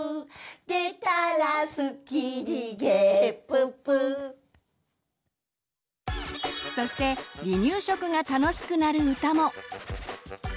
「でたらすっきりげっぷっぷ」そして離乳食が楽しくなる歌も。